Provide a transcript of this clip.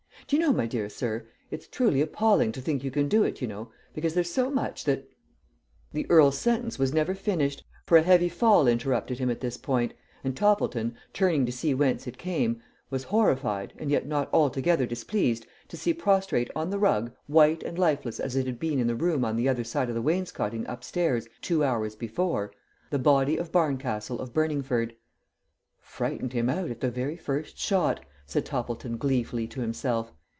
"D'ye know, my deah sir, it's truly appalling to think you can do it, you know, because there's so much that " The earl's sentence was never finished, for a heavy fall interrupted him at this point, and Toppleton, turning to see whence it came, was horrified and yet not altogether displeased to see prostrate on the rug, white and lifeless as it had been in the room on the other side of the wainscoting upstairs two hours before, the body of Barncastle of Burningford. "Frightened him out at the very first shot!" said Toppleton gleefully to himself.